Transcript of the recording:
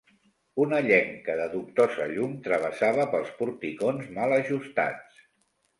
Una llenca de dubtosa llum travessava pels porticons mal ajustats.